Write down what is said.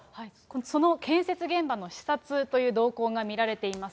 その建設現場の視察という動向が見られています。